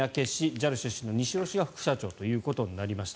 ＪＡＬ出身の西尾氏が副社長ということになりました。